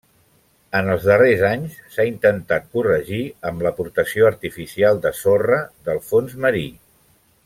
En els darrers anys s'ha intentat corregir amb l'aportació artificial de sorra del fons marí.